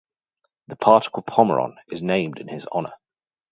The particle pomeron is named in his honour.